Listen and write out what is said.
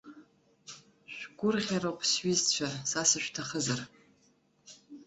Шәгәырӷьароуп, сҩызцәа, са сышәҭахызар.